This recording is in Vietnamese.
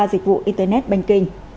dịch vụ internet banking